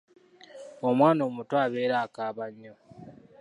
Omwana omuto abeera akaaba nnyo.